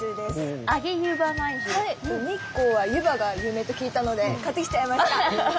日光はゆばが有名と聞いたので買ってきちゃいました。